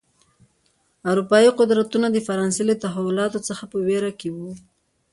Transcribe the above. اروپايي قدرتونه د فرانسې له تحولاتو څخه په وېره کې و.